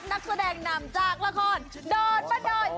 ก็รับนักแสดงมาจากละครดอนบ้าดอยปลอยบ้านทุ่ง